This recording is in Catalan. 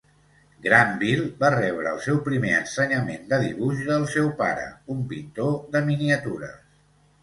Grandville va rebre el seu primer ensenyament de dibuix del seu pare, un pintor de miniatures.